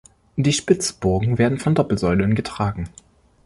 Die Spitzbogen werden von Doppelsäulen getragen.